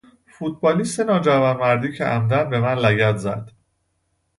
فوتبالیست ناجوانمردی که عمدا به من لگد زد